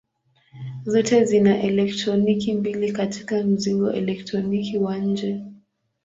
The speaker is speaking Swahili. Zote zina elektroni mbili katika mzingo elektroni wa nje.